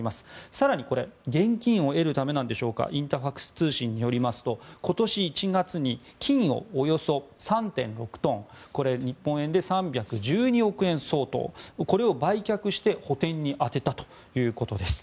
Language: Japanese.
更にこれ現金を得るためなんでしょうかインタファクス通信によりますと今年１月に金をおよそ３．６トン日本円で３１２億円相当を売却して補てんに充てたということです。